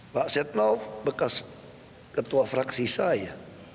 pak setnov bekas ketua fraksi saya